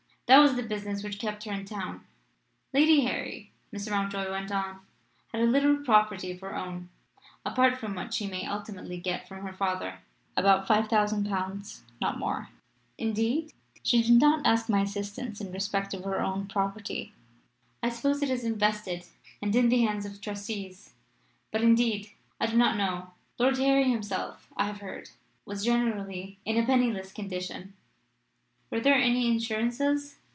"That was the business which kept her in town." "Lady Harry," Mr. Mountjoy went on, "had a little property of her own apart from what she may ultimately get from her father. About five thousand pounds not more." "Indeed? She did not ask my assistance in respect of her own property." "I suppose it is invested and in the hands of trustees. But, indeed, I do not know. Lord Harry himself, I have heard, was generally in a penniless condition. Were there any insurances?"